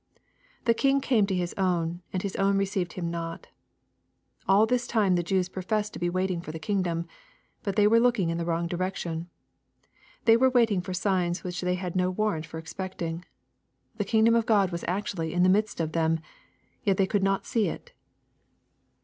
The King came to His own, and His own received Him not. All this time the Jews professed to be waiting for the kingdom. But they were looking in the wrong direction. They were waiting for signs which the) had no warrant for expecting. The kingdom of God was actually in the midst of them 1 Yet they could not see it